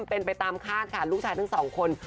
เป็นไปตามคาดค่ะลูกชายทั้งสองคน